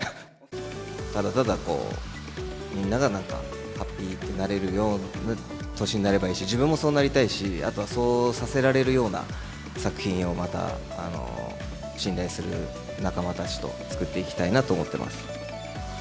ただただ、みんながなんか、ハッピーになれるような年になればいいし、自分もそうなりたいし、あとはそうさせられるような作品をまた、信頼する仲間たちと作っていきたいなと思ってます。